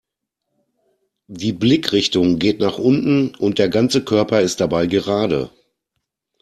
Die Blickrichtung geht nach unten und der ganze Körper ist dabei gerade.